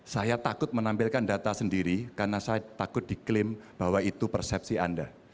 saya takut menampilkan data sendiri karena saya takut diklaim bahwa itu persepsi anda